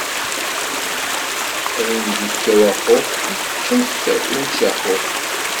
Ayen d-ifka waxux, ičča-t ujaxux.